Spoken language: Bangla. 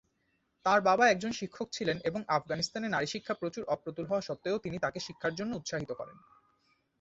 তার বাবা একজন শিক্ষক ছিলেন এবং আফগানিস্তানে নারী শিক্ষা প্রচুর অপ্রতুল হওয়া সত্ত্বেও তিনি তাকে শিক্ষার জন্য উৎসাহিত করেন।